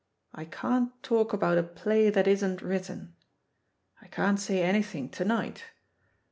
I can't talk about a play that isn*t written. I can't say anything to night.